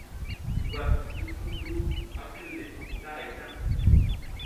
Ngwas ngi sukumɗu a kil le nga hay tan.